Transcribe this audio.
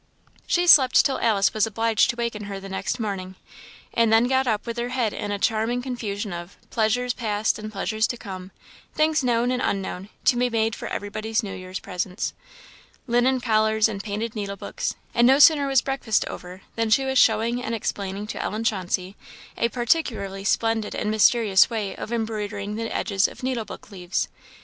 She slept till Alice was obliged to waken her the next morning; and then got up with her head in a charming confusion of, pleasures past and pleasures to come things known and unknown, to be made for everybody's New Year presents linen collars and painted needlebooks; and no sooner was breakfast over than she was showing and explaining to Ellen Chauncey a particularly splendid and mysterious way of embroidering the edges of needlebook leaves.